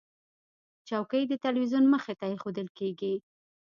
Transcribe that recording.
چوکۍ د تلویزیون مخې ته ایښودل کېږي.